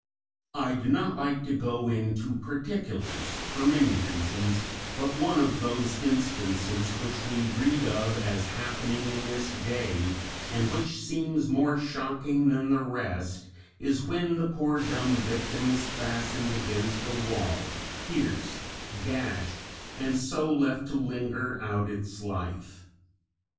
I do not like to go into particulars, for many reasons, but one of those instances which we read of as happening in this day, and which seems more shocking than the rest, is when the poor dumb victim is fastened against a wall, pierced, gashed, and so left to linger out its life.